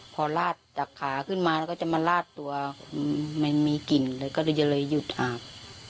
พอลาดจากขาขึ้นมาแล้วก็จะมาลาดตัวไม่มีกลิ่นเลยก็เลยจะเลยหยุดอาบ